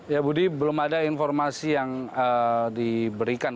ya budi belum ada informasi yang diberikan